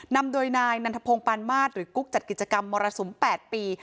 นำโดยนายนันทพงศ์ปานมาสหรือกุ๊กจัดกิจกรรมมรสุม๘ปี